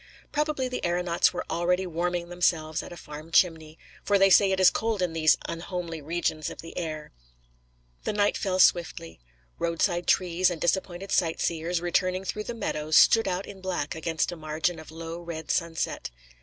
Probably the aeronauts were already warming themselves at a farm chimney, for they say it is cold in these unhomely regions of the air. The night fell swiftly. Roadside trees and disappointed sightseers, returning through the meadows, stood out in black against a margin of low red sunset.